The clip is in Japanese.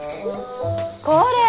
これ！